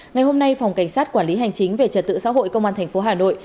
ngày hôm nay phòng cảnh sát quản lý hành chính về trật tự xã hội công an tp hà nội